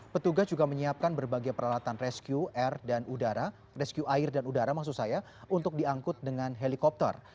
petugas juga menyiapkan berbagai peralatan rescue air dan udara rescue air dan udara maksud saya untuk diangkut dengan helikopter